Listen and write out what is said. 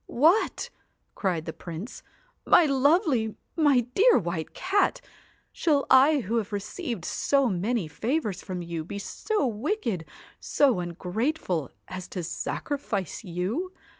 'What!' cried the Prince, 'my lovely, my dear White Cat! shall I who have received so many favours from you, be so wicked, so ungrateful, as to sacrifice you